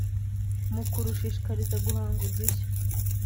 mu kurushishikariza guhanga udushya